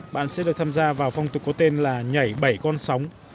bạn sẽ được tham gia vào phong tục có tên là nhảy bảy con sóng